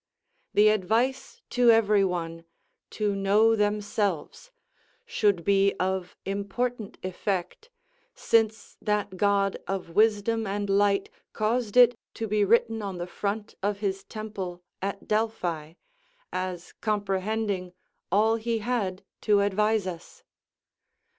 The advice to every one, "to know themselves," should be of important effect, since that god of wisdom and light' caused it to be written on the front of his temple, [At Delphi] as comprehending all he had to advise us.